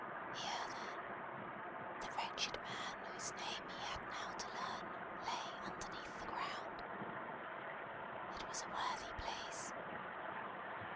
Here, then; the wretched man whose name he had now to learn, lay underneath the ground. It was a worthy place.